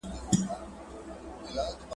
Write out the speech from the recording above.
پشو وویل چرګوړی د مُلا و